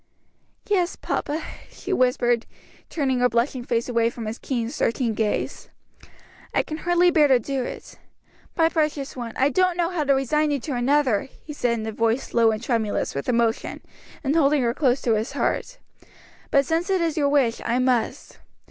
"Yes, papa," she whispered, turning her blushing face away from his keen, searching gaze. "I can hardly bear to do it. My precious one, I don't know how to resign you to another," he said in a voice low and tremulous with emotion, and holding her close to his heart; "but since it is your wish, I must.